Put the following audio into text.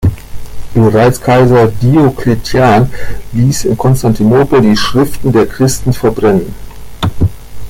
Bereits Kaiser Diokletian ließ in Konstantinopel die Schriften der Christen verbrennen.